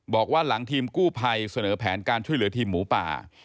บอกว่าหลังทีมกู้ภัยเสนอแผนการช่วยเหลือทีมหมูป่า